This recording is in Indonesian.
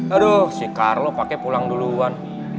aduh si kar lo pake pulang duluan